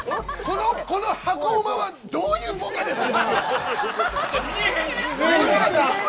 この箱馬はどういうボケですか。